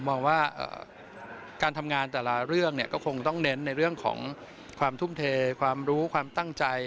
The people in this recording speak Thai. มองว่าการทำงานแต่ละเรื่องเนี่ยก็คงต้องเน้นในเรื่องของความทุ่มเทความรู้ความตั้งใจ